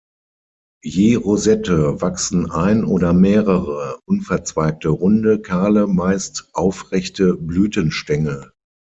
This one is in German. Je Rosette wachsen ein oder mehrere, unverzweigte, runde, kahle meist aufrechte Blütenstängel.